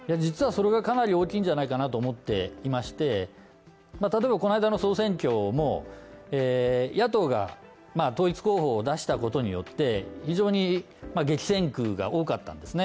実はそれがかなり大きいんじゃないかなと思っていまして、例えばこの間の総選挙も野党が統一候補を出したことによって、非常に激戦区が多かったんですね。